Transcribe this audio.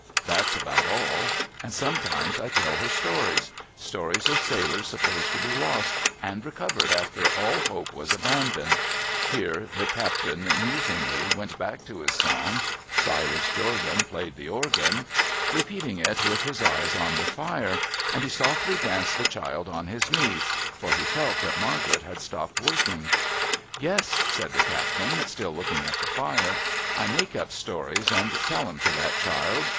That's about all. And sometimes I tell her stories, — stories of sailors supposed to be lost, and recovered after all hope was aban doned.' Here the caj)tain musingly went back to his song, — Silas Jorgan Played the organ ; repeating it with his eyes on the fire, as he softly danced tlie child on his knee. For he felt that Margaret had sto[)ped working. ' Yes,' said the captain, still looking at the fire, ' I make up stories and tell 'em to that child.